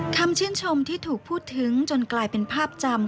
คำชื่นชมที่ถูกพูดถึงจนกลายเป็นภาพจำ